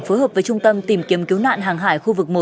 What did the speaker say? phối hợp với trung tâm tìm kiếm cứu nạn hàng hải khu vực một